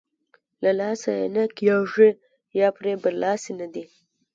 له لاسه یې نه کېږي یا پرې برلاسۍ نه دی.